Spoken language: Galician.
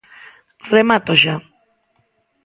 Remato xa.